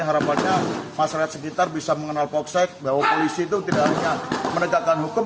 harapannya masyarakat sekitar bisa mengenal polsek bahwa polisi itu tidak hanya menegakkan hukum